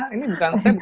ini saya bukan sekolah